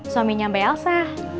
suaminya mbak elsa